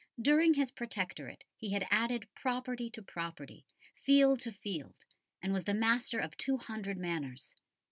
During his Protectorate he had added property to property, field to field, and was the master of two hundred manors.